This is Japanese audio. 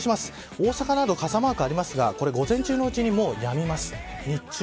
大阪など傘マークありますが午前中のうちに、やみます。